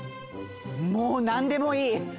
もうなんでもいい！